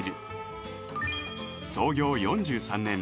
創業４３年